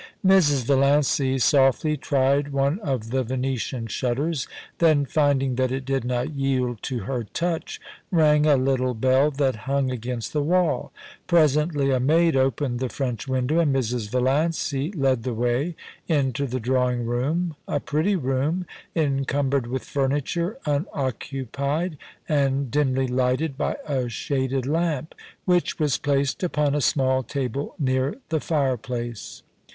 Mrs. Valiancy softly tried one of the Venetian shutters, then finding that it did not yield to her touch, rang a little bell that hung against the wall Presently a maid opened the French window, and Mrs. Vallancy led the way into the drawing room, a pretty room, encumbered with furniture, unoccupied, and dimly lighted by a shaded lamp, which was placed upon a small table near the fireplace.